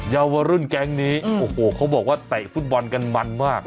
เยาวรุ่นแก๊งนี้โอ้โหเขาบอกว่าเตะฟุตบอลกันมันมาก